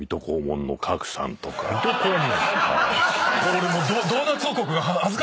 俺もう。